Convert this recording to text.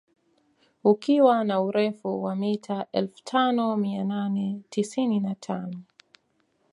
Ukiwa na urefu wa mita Elfu tano mia nane tisini na tano